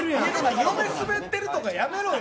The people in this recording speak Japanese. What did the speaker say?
嫁スベってるとかやめろよ！